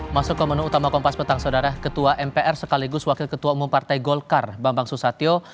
masuk ke menu utama kompas petang saudara ketua mpr sekaligus wakil ketua umum partai golkar bambang susatyo